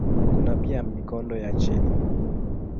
Kuna pia mikondo ya chini.